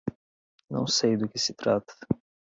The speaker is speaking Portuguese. Não sei do que se trata.